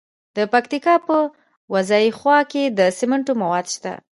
د پکتیکا په وازیخوا کې د سمنټو مواد شته.